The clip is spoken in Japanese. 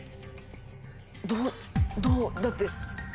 どどだって。